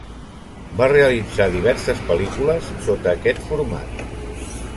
Va realitzar diverses pel·lícules sota aquest format.